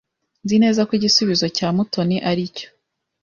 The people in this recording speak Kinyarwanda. Nzi neza ko igisubizo cya Mutoni ari cyo.